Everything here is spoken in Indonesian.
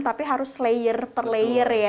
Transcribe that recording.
tapi harus layer per layer ya